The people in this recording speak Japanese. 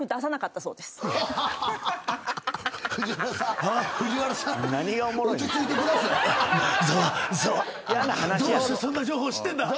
どうしてそんな情報知ってんだ？